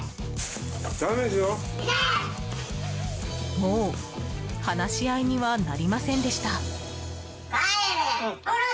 もう話し合いにはなりませんでした。